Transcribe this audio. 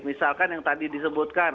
misalkan yang tadi disebutkan